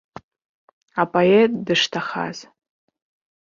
Апоет дышҭахаз.